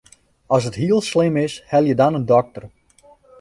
As it hiel slim is, helje dan in dokter.